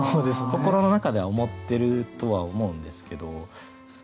心の中では思ってるとは思うんですけど。